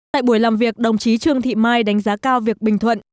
tại buổi làm việc đồng chí trương thị mai đánh giá cao việc bình thuận